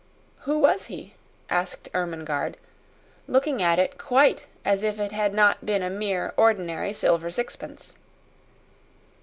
"Who was he?" asked Ermengarde, looking at it quite as if it had not been a mere ordinary silver sixpence.